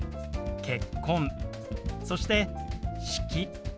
「結婚」そして「式」。